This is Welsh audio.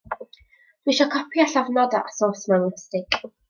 Dwi isio copi â llofnod a sws mewn lipstig.